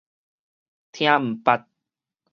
聽毋捌